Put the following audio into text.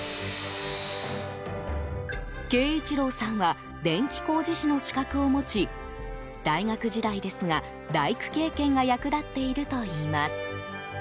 恵一郎さんは電気工事士の資格を持ち大学時代ですが、大工経験が役立っているといいます。